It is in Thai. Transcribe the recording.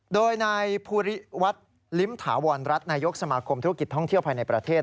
โดยนายภูริวัฒน์ลิ้มถาวรรัฐนายกสมาคมธุรกิจท่องเที่ยวภายในประเทศ